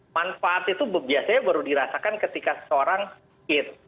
manfaat itu biasanya baru dirasakan ketika seseorang sakit